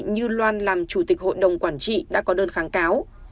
như loan làm chủ tịch hội đồng quản trị đã có đơn kháng cáo